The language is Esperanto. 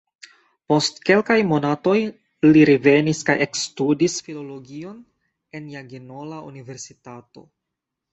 Post kelkaj monatoj li revenis kaj ekstudis filologion en Jagelona Universitato.